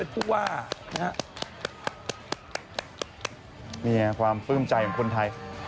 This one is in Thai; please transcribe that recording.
นี่ไงความปลื้มใจของคนไทย